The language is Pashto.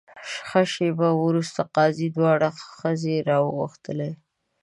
ښه شېبه وروسته قاضي دواړه ښځې راوغوښتلې.